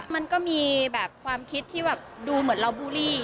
มันก็มีความคิดที่ดูเหมือนเราบูรี